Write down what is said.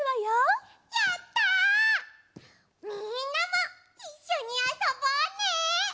みんなもいっしょにあそぼうね！